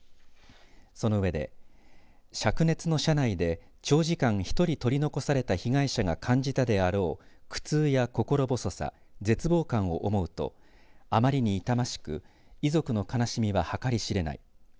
その上でしゃく熱の車内で長時間１人取り残された被害者が感じたであろう苦痛や心細さ絶望感を思うとあまりに痛ましく遺族の悲しみははかりしれない。